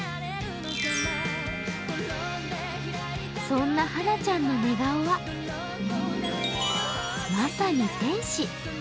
そんなはなちゃんの寝顔はまさに天使。